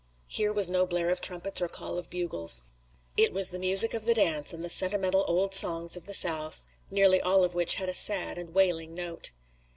Here was no blare of trumpets or call of bugles. It was the music of the dance and the sentimental old songs of the South, nearly all of which had a sad and wailing note.